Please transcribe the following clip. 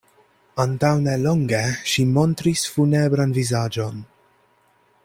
Antaŭ ne longe ŝi montris funebran vizaĝon.